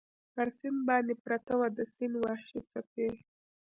پر سیند باندې پرته وه، د سیند وحشي څپې.